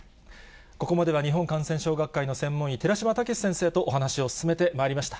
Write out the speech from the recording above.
ここまでは日本感染症学会の専門医、寺嶋毅先生とお話を進めてまいりました。